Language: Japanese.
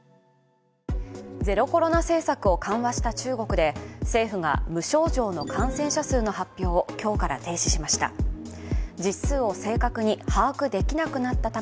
ゼロコロナ政策を緩和した中国が政府が無症状の感染者数の発表を今日から停止しました。